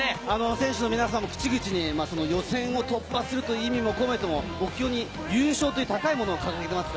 選手の皆さんも口々に予選を突破するという意味を込めて、目標に優勝を掲げています。